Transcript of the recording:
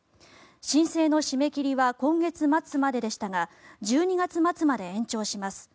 申請の締め切りは今月末まででしたが１２月末まで延長します。